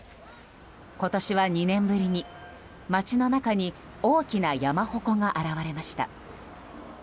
今年は２年ぶりに街の中に大きな山鉾が現れました。